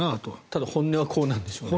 ただ、本音はこうなんでしょうね。